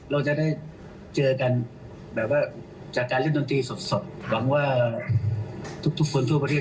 เราจะได้เจอกันแบบว่าจากการเล่นดนตรีสดหวังว่าทุกคนทั่วประเทศ